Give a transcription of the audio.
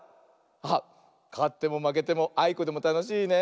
あっかってもまけてもあいこでもたのしいね。